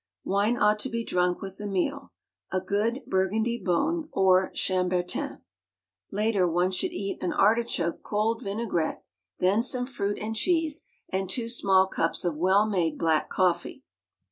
Wine ought to be drunk with the meal, a good Burgundy Beaune or Chambertin. Later one should eat an artichoke cold vinaigrette, then some fruit and cheese and two small cups of well made black coffee.